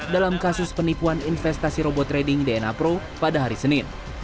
dalam kasus penipuan investasi robot trading dna pro pada hari senin